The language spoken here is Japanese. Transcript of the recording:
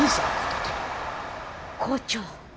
校長。